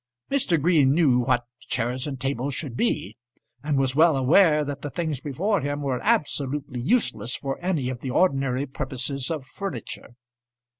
Mr. Green knew what chairs and tables should be, and was well aware that the things before him were absolutely useless for any of the ordinary purposes of furniture.